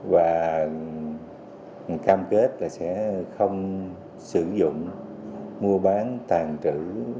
và cam kết là sẽ không sử dụng mua bán tàn trữ